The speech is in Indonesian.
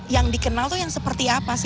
yang dikenal itu yang seperti apa sih